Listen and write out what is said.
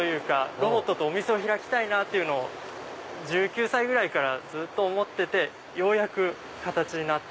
ロボットとお店を開きたいなって１９歳ぐらいから思っててようやく形になった。